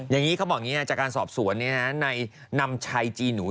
อย่างนี้เขาบอกจากการสอบสวนในนำชายจี่หนู